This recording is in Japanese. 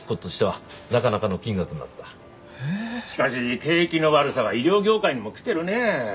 しかし景気の悪さは医療業界にもきてるねえ。